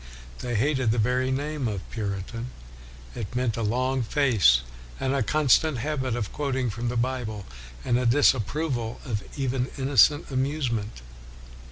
They hated the very name of Puritan. It meant a long face, and a constant habit of quoting from the Bible, and a dis approval of even innocent amusement.